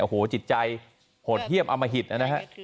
โอ้โหจิตใจหดเทียบอมหิตนะครับ